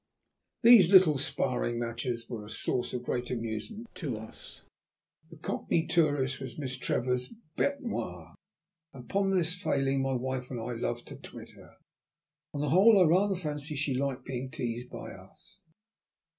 These little sparring matches were a source of great amusement to us. The Cockney tourist was Miss Trevor's bête noir. And upon this failing my wife and I loved to twit her. On the whole I rather fancy she liked being teased by us.